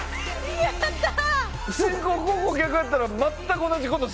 やったー！